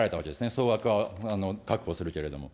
総枠は確保するけれども。